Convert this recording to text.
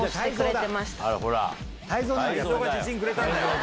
泰造が自信くれたんだよ。